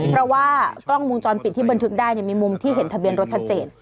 แบบว่ากล้องมุมจรปิดที่บนทึกได้จะมีมุมที่เห็นทะเบียนรถครับเจน